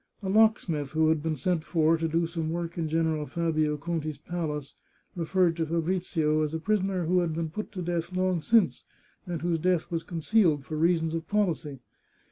A locksmith who had been sent for to do some work in General Fabio Conti's palace referred to Fabrizio as a pris oner who had been put to death long since, and whose death was concealed for reasons of policy.